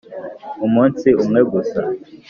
umunsi umwe gusa.